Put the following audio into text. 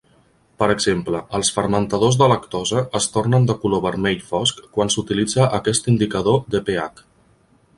Per exemple, els fermentadors de lactosa es tornen de color vermell fosc quan s'utilitza aquest indicador de pH.